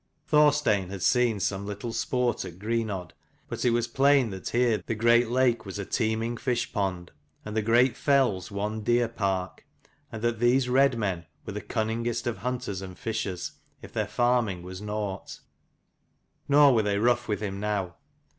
Thorstein had seen some little 101 sport at Greenodd, but it was plain that here the great lake was a teeming fish pond and the great fells one deer park, and that these red men were the cunningest of hunters and fishers, if their farming was nought. Nor were they rough with him now.